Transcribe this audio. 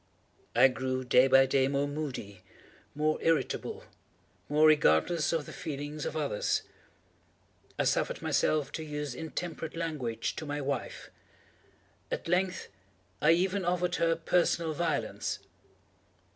I grew, day by day, more moody, more irritable, more regardless of the feelings of others. I suffered myself to use intemperate language to my wife. At length, I even offered her personal violence.